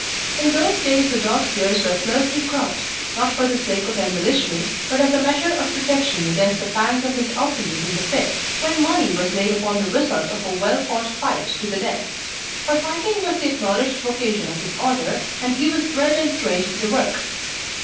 In those days the dog's ears were closely cropped, not for the sake of embellishment, but as a measure of protection against the fangs of his opponent in the pit when money was laid upon the result of a well fought fight to the death. For fighting was the acknowledged vocation of his order, and he was bred and trained to the work.